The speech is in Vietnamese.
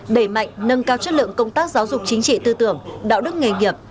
đẩy mạnh nâng cao chất lượng công tác giáo dục chính trị tư tưởng đạo đức nghề nghiệp